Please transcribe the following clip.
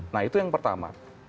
nah itu yang pertama